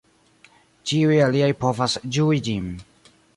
Ĉiuj aliaj povas ĝui ĝin.